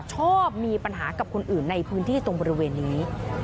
ชอบมีปัญหากับคนอื่นในพื้นที่ตรงบริเวณนี้